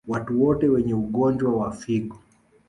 Watu wote wenye ugonjwa wa figo